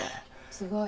すごい。